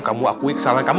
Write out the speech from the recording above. kamu akui kesalahan kamu